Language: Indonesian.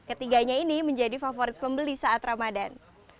ketiganya ini menjadi favorit pembeli saat ramadan